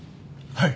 はい。